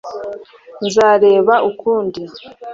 nzareba ukundi